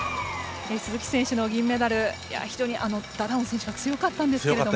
鈴木選手の銀メダル、非常にダダオン選手が強かったんですが。